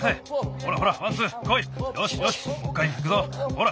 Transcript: ほら。